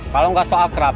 kalau gak sok akrab